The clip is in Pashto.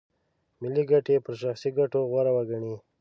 ملي ګټې پر شخصي ګټو غوره وګڼي.